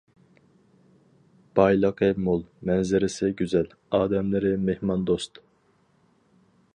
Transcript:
بايلىقى مول، مەنزىرىسى گۈزەل، ئادەملىرى مېھماندوست.